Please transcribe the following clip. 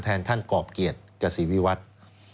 แทนท่านกรอบเกียรติกศรีวิวัฒน์